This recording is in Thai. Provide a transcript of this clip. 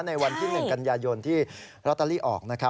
ในวันที่๑กันยายนที่ลอตเตอรี่ออกนะครับ